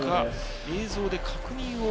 映像で確認を。